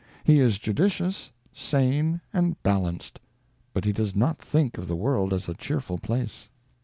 He is judicious, sane, and balanced, but he does not think of the world as a cheerful place.